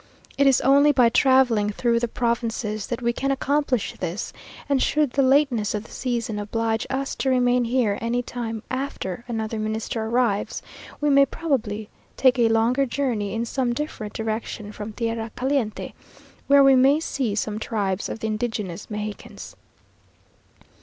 It is only by travelling through the provinces that we can accomplish this; and should the lateness of the season oblige us to remain here any time after another Minister arrives, we may probably take a longer journey in some different direction from tierra caliente, where we may see some tribes of the indigenous Mexicans.